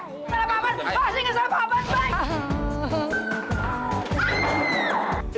pak jangan paham pak jangan paham bye